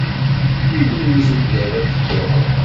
Iwimi tugiḍ ad tedduḍ?